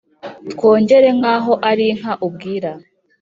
Twongere nkaho arinka ubwira